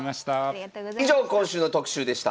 以上今週の特集でした。